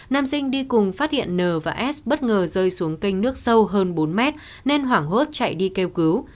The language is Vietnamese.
nam sinh đi cùng phát hiện n và s bất ngờ rơi xuống kênh nước sâu hơn bốn mét nên hoảng hốt chạy đi kêu cứu